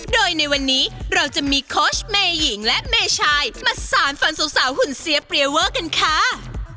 โดยในวันนี้เราจะมีโค้ชเมย์หญิงและเมชายมาสารฝันสาวหุ่นเสียเปรียเวอร์กันค่ะ